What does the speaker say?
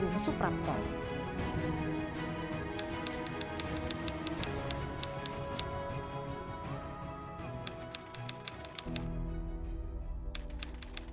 jaksa agung suprapto dianggap sebagai jaksa yang memiliki keberanian